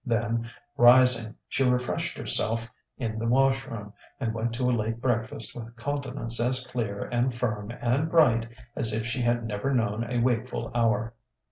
Then, rising, she refreshed herself in the wash room, and went to a late breakfast with countenance as clear and firm and bright as if she had never known a wakeful hour.